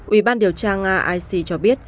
ubnd điều tra nga ic cho biết